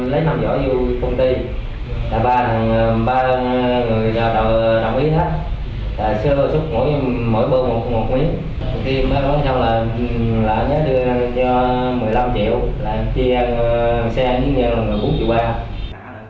lấy làm giỏi cho công ty đã bàn ba người đồng ý hết